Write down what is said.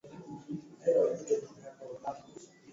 Na mu kipwa tuna weza kurima ma bintu bingine